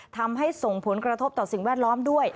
ทำให้ส่งผลกระทบต่อสิ่งแวดล้อมด้วย